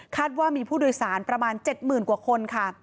คาดว่ามีผู้โดยสารประมาณ๗หมื่นกว่าคนค่ะ